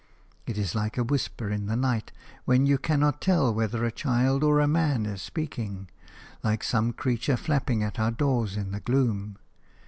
It is like a whisper in the night, when you cannot tell whether a child or a man is speaking; like some creature flapping at our doors in the gloom.